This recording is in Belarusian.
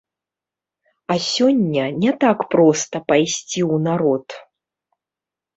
А сёння не так проста пайсці ў народ.